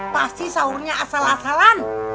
pasti sawurnya asal asalan